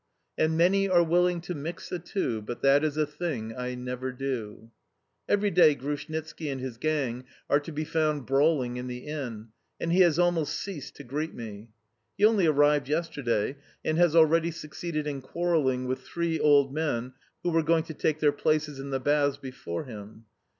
"And many are willing to mix the two, But that is a thing I never do." Every day Grushnitski and his gang are to be found brawling in the inn, and he has almost ceased to greet me. He only arrived yesterday, and has already succeeded in quarrelling with three old men who were going to take their places in the baths before him.